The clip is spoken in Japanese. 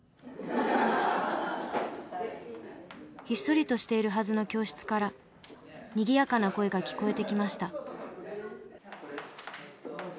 ひっそりとしているはずの教室からにぎやかな声が聞こえてきました。